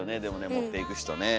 持って行く人ね。